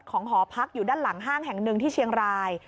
หอพักอยู่ด้านหลังห้างแห่งหนึ่งที่เชียงราย